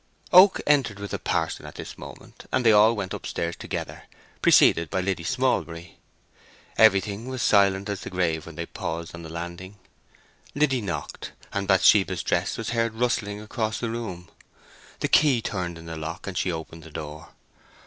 Oak entered with the parson at this moment, and they all went upstairs together, preceded by Liddy Smallbury. Everything was silent as the grave when they paused on the landing. Liddy knocked, and Bathsheba's dress was heard rustling across the room: the key turned in the lock, and she opened the door.